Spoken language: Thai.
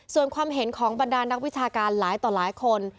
ส่วนความเห็นของบรรดานักวิชาการหลายต่อหลายคน